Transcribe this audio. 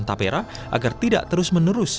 tapera agar tidak terus menerus